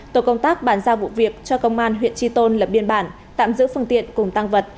tổ công tác bàn giao vụ việc cho công an huyện tri tôn lập biên bản tạm giữ phương tiện cùng tăng vật